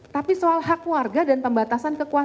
tapi soal hak warga dan pembatasan kekuasaan